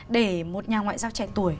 để một nhà ngoại giao trẻ tuổi